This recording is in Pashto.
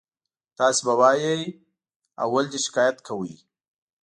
تاسې به وایئ اول دې شکایت کولو.